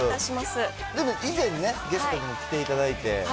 でも以前にね、ゲストに来ていただいて。